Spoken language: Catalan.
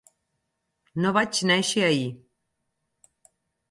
No vaig néixer ahir.